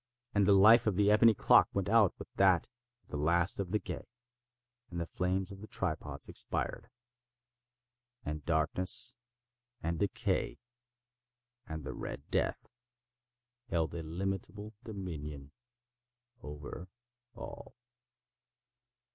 And the life of the ebony clock went out with that of the last of the gay. And the flames of the tripods expired. And Darkness and Decay and the Red Death held illimitable dominion over all.